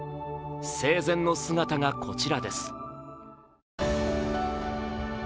生前の姿がこちらです。